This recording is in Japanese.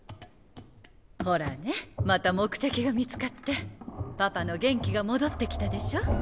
ほらねまた目的が見つかってパパの元気が戻ってきたでしょ？